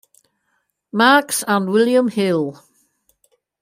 Maxx and William Hill.